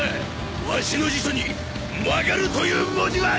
わしの辞書に曲がるという文字はない！